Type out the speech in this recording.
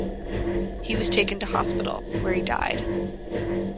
He was taken to hospital, where he died.